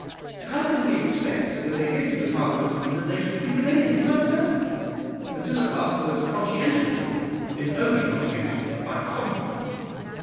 How can we expect when they get into Parliament that they should think of anything but self, until at last the most conscientious of them is only conscientious by contrast?